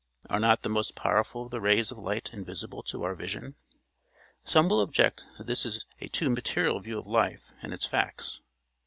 Are not the most powerful of the rays of light invisible to our vision? Some will object that this is a too material view of life and its facts.